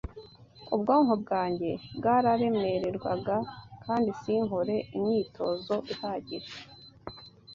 Ubwonko bwanjye bwararemererwaga, kandi sinkore imyitozo ihagije